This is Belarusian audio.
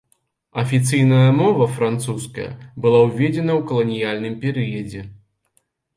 Афіцыйная мова, французская, была уведзена ў каланіяльным перыядзе.